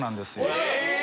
えっ？